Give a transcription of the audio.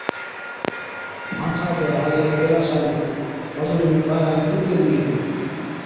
آنٿڻان چَي هارِيئَي ڪيلاشا نُون مزُورِي ۾ ٻارهن اِينڏين ڏِلين۔